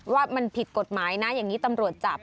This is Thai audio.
ว่ามันผิดกฎหมายนะอย่างนี้ตำรวจจับ